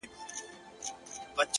پرېږده دا زخم زړه ـ پاچا وویني ـ